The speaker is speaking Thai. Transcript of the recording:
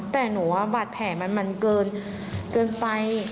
แต่หนูว่าบาดแผลมันเกินไป